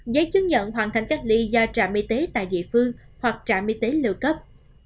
giấy chứng nhận hoàn thành cách ly do trạm y tế tại địa phương hoặc trạm y tế lựa cấp